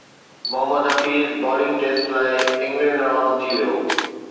Muhammad Hafeez bowling test لاءِ England روانو ٿي ويو